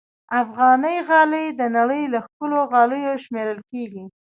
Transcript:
افغاني غالۍ د نړۍ له ښکلو غالیو شمېرل کېږي.